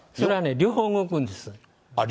両方動くんですか？